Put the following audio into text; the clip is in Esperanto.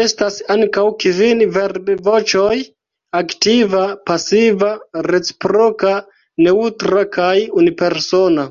Estas ankaŭ kvin verbvoĉoj: aktiva, pasiva, reciproka, neŭtra kaj unipersona.